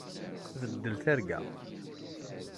Beddel targa.